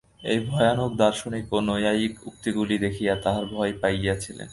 এই ভয়ানক দার্শনিক ও নৈয়ায়িক উক্তিগুলি দেখিয়া তাঁহারা ভয় পাইয়াছিলেন।